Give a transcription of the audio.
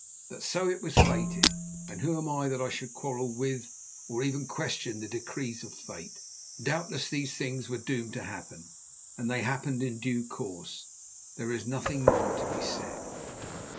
But so it was fated, and who am I that I should quarrel with or even question the decrees of fate? Doubtless these things were doomed to happen, and they happened in due course. There is nothing more to be said.